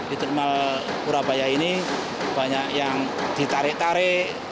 di terminal purabaya ini banyak yang ditarik tarik